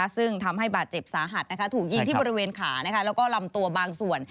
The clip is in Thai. ซึ่งทำให้บาดเจ็บสาหัสถูกยิงที่บริเวณขาแล้วก็ลำตัวบางส่วน